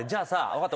分かった。